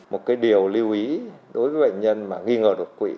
một cái điều lưu ý đối với bệnh nhân mà nghi ngờ độc quỷ